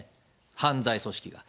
犯罪組織が。